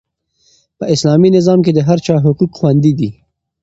په اسلامي نظام کې د هر چا حقوق خوندي دي.